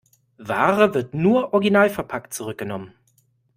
Ware wird nur originalverpackt zurückgenommen.